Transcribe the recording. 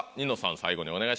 最後にお願いします。